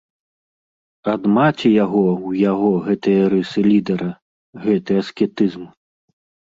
Ад маці яго ў яго гэтыя рысы лідэра, гэты аскетызм.